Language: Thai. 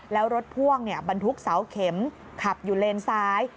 แล้วรถพ่วงบรรทุกเสาเข็มขับอยู่เลนซ้าย